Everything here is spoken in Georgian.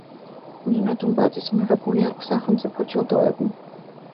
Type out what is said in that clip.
ნინო დუმბაძეს მიღებული აქვს სახელმწიფო ჯილდოები.